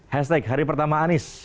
hashtag hari pertama anies